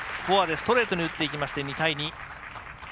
フォアでストレートに打っていって２対２。